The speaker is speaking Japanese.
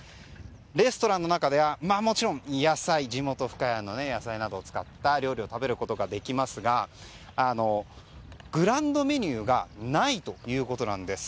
レストランの中ではもちろん地元・深谷の野菜を使った料理を食べることができますがグランドメニューがないということなんです。